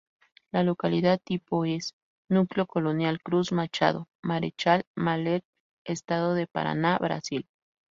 La localidad tipo es: Núcleo Colonial Cruz Machado, Marechal Mallet, Estado de Paraná, Brasil.